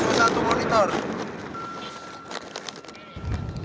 sedang melakukan operasi